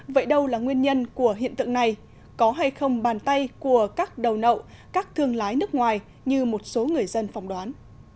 vậy đâu là nguyên nhân của hiện tượng này có hay không bàn tay của các đầu nậu các thương lái nước ngoài như một số người dân phòng đoán